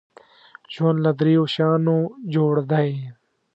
ژوند له دریو شیانو جوړ دی .